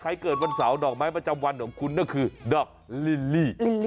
เกิดวันเสาร์ดอกไม้ประจำวันของคุณก็คือดอกลิลลี่